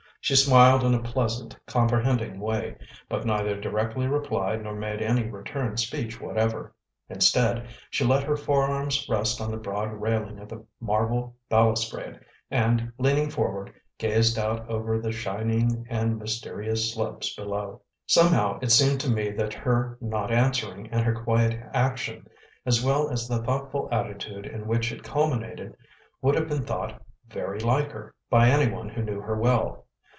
She smiled in a pleasant, comprehending way, but neither directly replied nor made any return speech whatever; instead, she let her forearms rest on the broad railing of the marble balustrade, and, leaning forward, gazed out over the shining and mysterious slopes below. Somehow it seemed to me that her not answering, and her quiet action, as well as the thoughtful attitude in which it culminated, would have been thought "very like her" by any one who knew her well.